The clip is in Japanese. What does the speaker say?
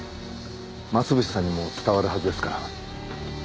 増渕さんにも伝わるはずですから。